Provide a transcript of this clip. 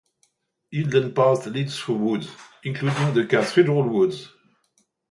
Inland paths lead through woods, including the Cathedral Woods.